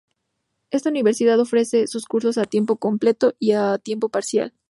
Esta Universidad ofrece sus cursos a tiempo completo y a tiempo parcial.